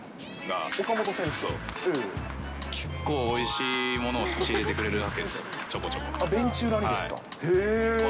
結構、おいしいものを差し入れてくれるわけですよ、ちょこちょこ。